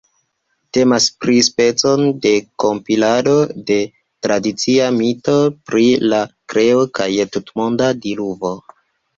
Temas pri speco de kompilado de tradicia mito pri la kreo kaj tutmonda diluvo.